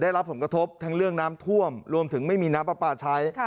ได้รับผลกระทบทั้งเรื่องน้ำท่วมรวมถึงไม่มีน้ำปลาปลาใช้